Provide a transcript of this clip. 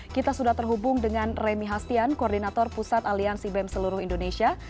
kita sudah terhubung dengan remi hastian koordinator pusat aliansi bem seluruh indonesia